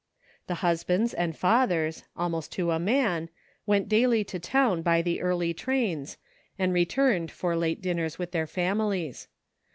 The husbands and fathers, almost to a man, went daily to town by early trains, and returned for late dinners with their families.